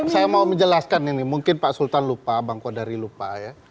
saya mau menjelaskan ini mungkin pak sultan lupa bang kodari lupa ya